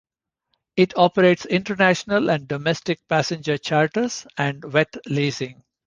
It operates international and domestic passenger charters, and wet leasing.